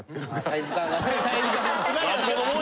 サイズが。